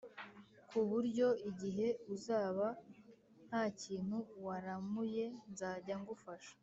, ku buryo igihe uzaba nta kintu waramuye nzajya ngufasha